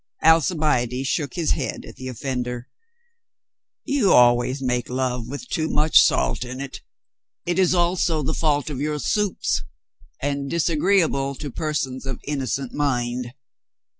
Alcibiade shook his head at the off"ender. "You always make love with too much salt in it. It is also the fault of your soups. And disagreeable to per sons of innocent mind."